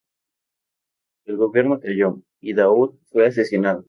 El gobierno cayó, y Daud fue asesinado.